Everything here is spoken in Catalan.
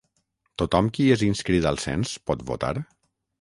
Tothom qui és inscrit al cens pot votar?